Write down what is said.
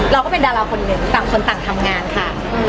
เราก็เป็นดาราคนหนึ่งต่างคนต่างทำงานค่ะ